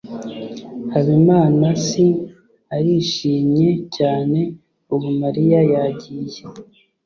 habimanaasi arishimye cyane ubu mariya yagiye